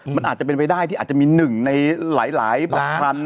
มันอาจจะเป็นไปได้ที่อาจจะมีหนึ่งในหลายบัตรพัน